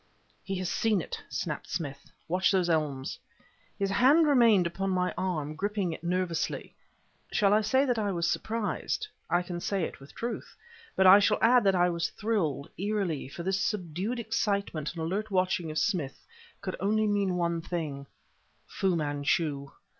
"He has seen it!" snapped Smith. "Watch those elms." His hand remained upon my arm, gripping it nervously. Shall I say that I was surprised? I can say it with truth. But I shall add that I was thrilled, eerily; for this subdued excitement and alert watching of Smith could only mean one thing: Fu Manchu!